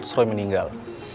terus roy meninggal